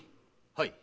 はい。